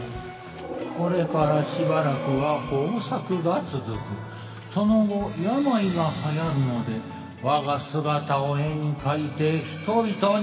「これからしばらくは豊作が続く」「その後病が流行るので我が姿を絵に描いて人々に見せよ」